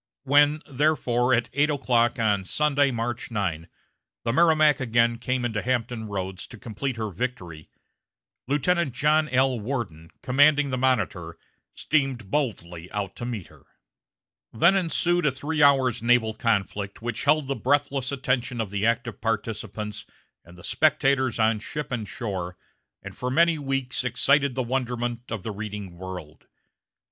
When, therefore, at eight o'clock on Sunday, March 9, the Merrimac again came into Hampton Roads to complete her victory, Lieutenant John L. Worden, commanding the Monitor, steamed boldly out to meet her. Then ensued a three hours' naval conflict which held the breathless attention of the active participants and the spectators on ship and shore, and for many weeks excited the wonderment of the reading world.